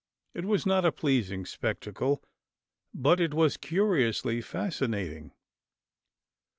It was not a pleasing spectacle, but it was curiously fascinating.